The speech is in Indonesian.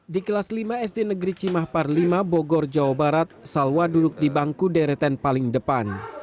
di kelas lima sd negeri cimah parlima bogor jawa barat salwa duduk di bangku deretan paling depan